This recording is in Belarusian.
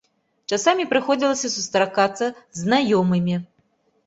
Часамі прыходзілася сустракацца з знаёмымі.